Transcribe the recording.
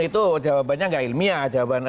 itu jawabannya nggak ilmiah